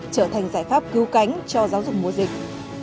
trở thành giải pháp cứu cánh cho giáo dục mùa dịch